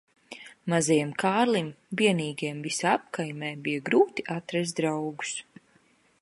Mazajam Kārlim vienīgajam visā apkaimē bija grūti atrast draugus.